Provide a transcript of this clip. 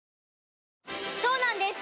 そうなんです